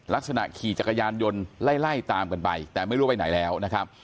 ขี่จักรยานยนต์ไล่ตามกันไปแต่ไม่รู้ไปไหนแล้วนะครับ